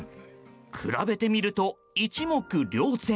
比べてみると一目瞭然。